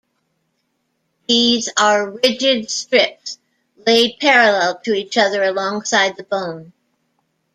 These are rigid strips laid parallel to each other alongside the bone.